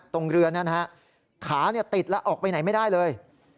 ตรงเรือนั้นขาติดแล้วออกไปไหนไม่ได้เลย